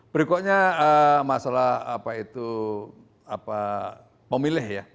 berikutnya masalah pemilih ya